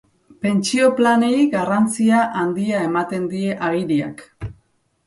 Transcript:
Pentsio planei garrantzia handia ematen die agiriak.